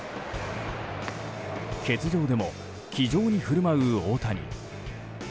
欠場でも気丈に振る舞う大谷。